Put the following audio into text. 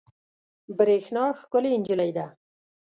برېښنا ښکلې انجلۍ ده